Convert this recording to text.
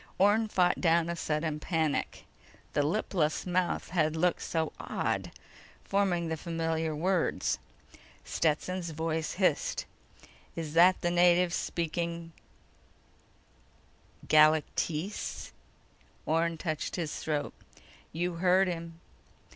Orne fought down a sudden panic. The lipless mouth had looked so odd forming the familiar words. Stetson's voice hissed: "Is that the native speaking Galactese?" Orne touched his throat. _"You heard him."